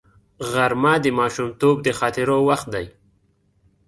غرمه د ماشومتوب د خاطرو وخت دی